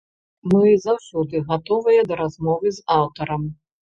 Мы заўсёды гатовыя да размовы з аўтарам.